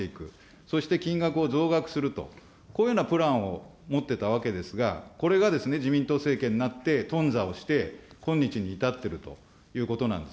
そして金額を増額すると、こういうようなプランを持ってたわけですが、これが自民党政権になって頓挫をして、今日に至っているということなんです。